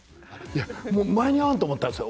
いやもう間に合わんと思ったんですよ。